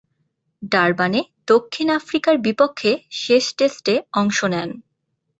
ডারবানে দক্ষিণ আফ্রিকার বিপক্ষে শেষ টেস্টে অংশ নেন।